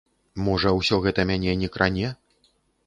Можа, усё гэта мяне не кране?